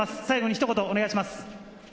ひと言お願いします。